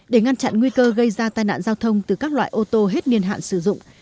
để ngăn chặn nguy cơ gây ra tai nạn giao thông từ các loại ô tô hết niên hạn sử dụng